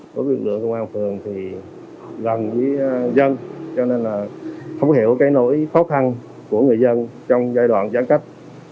đối với lực lượng công an phường thì gần với dân cho nên là không hiểu cái nỗi khó khăn của người dân trong giai đoạn giãn cách